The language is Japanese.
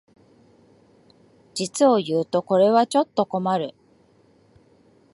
実をいうとこれはちょっと困る